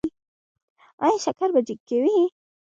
ایا شکر به چیک کوئ؟